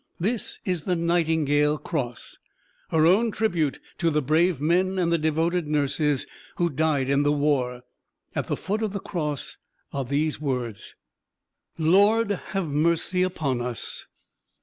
This is the "Nightingale Cross," her own tribute to the brave men and the devoted nurses who died in the war. At the foot of the cross are these words: "Lord have mercy upon us."